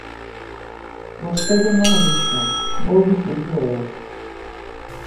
Vostede non o dixo, vou dicirllo eu.